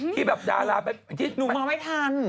หนูมาไม่ทัน